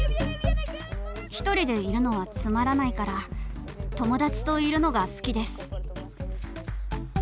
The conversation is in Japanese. １人でいるのはつまらないから友だちといるのが好きです。